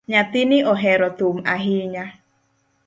Nyathini ohero thum ahinya